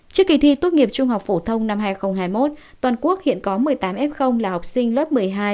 trước tuốt nghiệp trung học phổ thông năm hai nghìn hai mươi một toàn quốc hiện có một mươi tám f là học sinh lớp một mươi hai